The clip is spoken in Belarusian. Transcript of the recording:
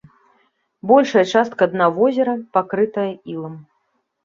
Большая частка дна возера пакрытая ілам.